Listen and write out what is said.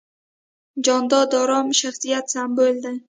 جانداد د ارام شخصیت سمبول دی.